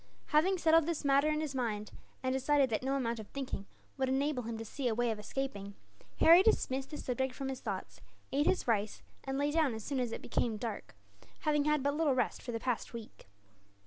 Having settled this matter in his mind, and decided that no amount of thinking would enable him to see a way of escaping; Harry dismissed the subject from his thoughts, ate his rice, and lay down as soon as it became dark, having had but little rest for the past week.